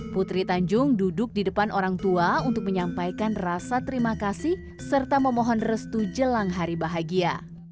putri tanjung duduk di depan orang tua untuk menyampaikan rasa terima kasih serta memohon restu jelang hari bahagia